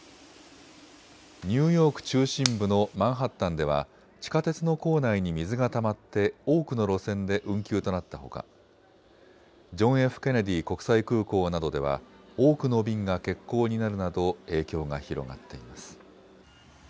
ニューヨーク中心部のマンハッタンでは地下鉄の構内に水がたまって多くの路線で運休となったほかジョン・Ｆ・ケネディ国際空港などでは多くの便が欠航になるなど影響が広がっています。